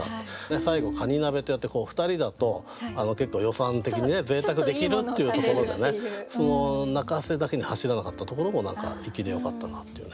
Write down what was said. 最後「カニ鍋」とやってふたりだと結構予算的にねぜいたくできるっていうところでね泣かせだけに走らなかったところも何か粋でよかったなっていうね。